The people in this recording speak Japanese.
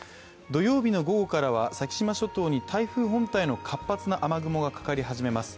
土曜日の午後からは先島諸島に台風本体の活発な雨雲がかかり始めます。